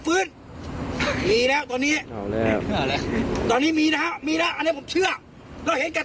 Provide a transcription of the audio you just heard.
แต่วันนี้ผมมาผมสะผัดไปได้